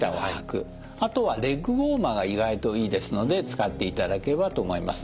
あとはレッグウオーマーが意外といいですので使っていただければと思います。